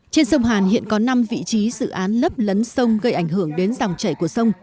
trên sông hàn hiện có năm vị trí dự án lấp lấn sông gây ảnh hưởng đến dòng chảy của sông